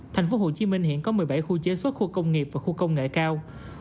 thành phố hồ chí minh hiện có một mươi bảy khu chế xuất khu công nghiệp và khu công nghệ cao